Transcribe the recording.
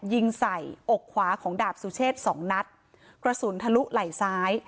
ยิงใส่อกขวาของดาบสุเชษสองนัดกระสุนทะลุไหล่ซ้าย